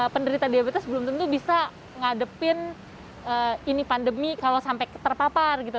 penderita diabetes belum tentu bisa ngadepin ini pandemi kalau sampai terpapar gitu